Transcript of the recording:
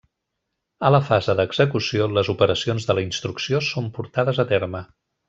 A la fase d'execució, les operacions de la instrucció són portades a terme.